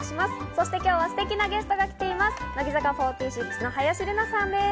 そして今日はすてきなゲストが来ています。